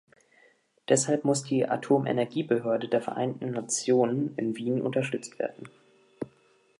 Deshalb muss die Atomenergiebehörde der Vereinten Nationen in Wien unterstützt werden.